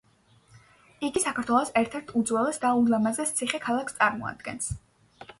იგი საქართველოს ერთ-ერთ უძველეს და ულამაზეს ციხე-ქალაქს წარმოადგენს.